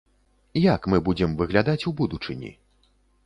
Як мы будзем выглядаць у будучыні?